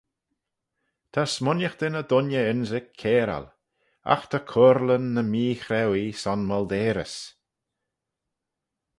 Ta smooinaghtyn y dooinney ynrick cairal: agh ta coyrleyn ny mee-chrauee son molteyrys.